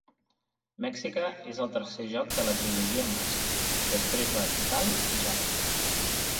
"Mexica" és el tercer joc de la trilogia Mask, després de "Tikal" i "Java".